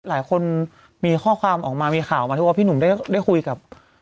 หลายคนมีข้อความออกมามีข่าวมาที่ว่าพี่หนุ่มได้คุยกับ